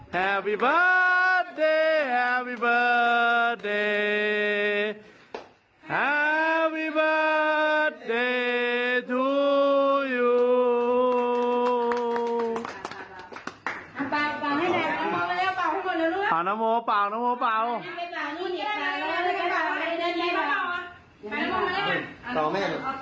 ให้น้องอีกแล้วนะครับ